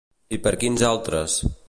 I per quins altres?